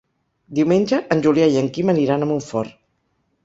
Diumenge en Julià i en Quim aniran a Montfort.